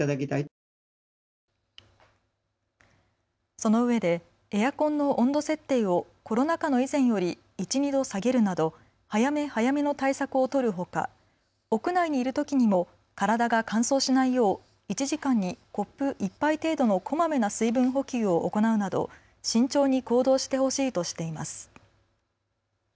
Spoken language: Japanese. そのうえでエアコンの温度設定をコロナ禍の以前より１、２度下げるなど早め早めの対策を取るほか、屋内にいるときにも体が乾燥しないよう１時間にコップ１杯程度のこまめな水分補給を行うなど慎重に行動してほしいとしています。